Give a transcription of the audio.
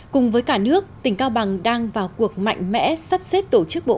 cùng với cả nước tỉnh cao bằng đang vào cuộc mạnh mẽ sắp xếp tổ chức bộ